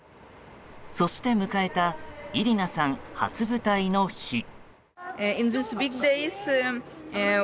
そして、迎えたイリナさん初舞台の日。